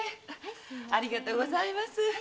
ありがとうございます。